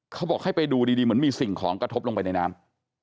เขาบอกให้ไปดูดีเหมือนมีสิ่งของกระทบลงไปในน้ำ